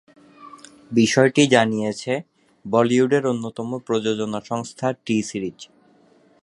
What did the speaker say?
বিষয়টি জানিয়েছে বলিউডের অন্যতম প্রযোজনা সংস্থা টি-সিরিজ।